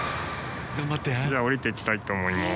じゃあ下りていきたいと思います。